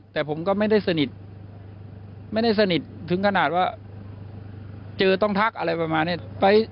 แต่ผมก็ไม่ได้สนิทไม่ได้สนิทถึงขนาดว่าเจอต้องทักอะไรประมาณนี้